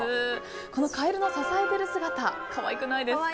このカエルの支えている姿可愛くないですか？